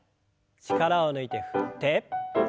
力を抜いて振って。